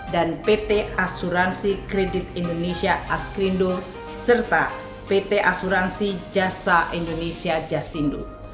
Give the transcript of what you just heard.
dan pt asuransi kredit indonesia askrindo serta pt asuransi jasa indonesia jasindo